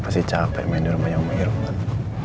pasti capek main di rumah yang menghirupkan